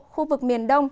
khu vực miền đông